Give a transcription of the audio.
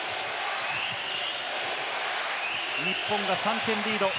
日本が３点リード。